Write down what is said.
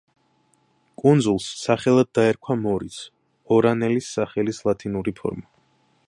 კუნძულს სახელად დაერქვა მორიც ორანელის სახელის ლათინური ფორმა.